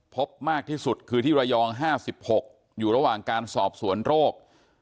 พบมากที่สุดคือที่ระยอง๕๖อยู่ระหว่างการสอบสวนโรค